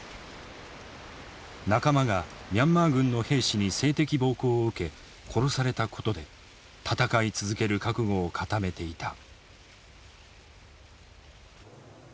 仲間がミャンマー軍の兵士に性的暴行を受け殺されたことで戦い続ける覚悟を固めていた。